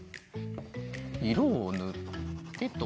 いろをぬってと。